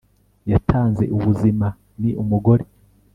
yatanze ubuzima. ni umugore